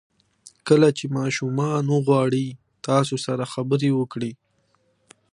کله چې ماشومان وغواړي تاسو سره خبرې وکړي.